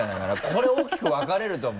これ大きく分かれると思う。